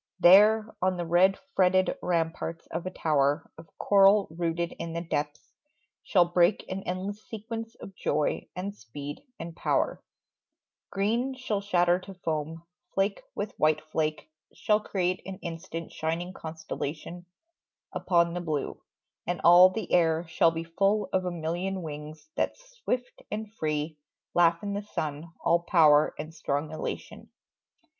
There, On the red fretted ramparts of a tower Of coral rooted in the depths, shall break An endless sequence of joy and speed and power: Green shall shatter to foam; flake with white flake Shall create an instant's shining constellation Upon the blue; and all the air shall be Full of a million wings that swift and free Laugh in the sun, all power and strong elation.